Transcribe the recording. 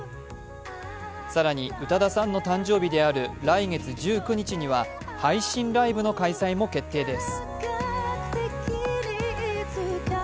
更に、宇多田さんの誕生日である来月１９日には配信ライブの開催も決定です。